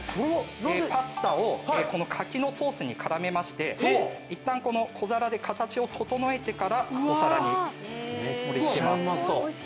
パスタを柿のソースに絡めましていったんこの小皿で形を整えてからお皿に盛り付けます。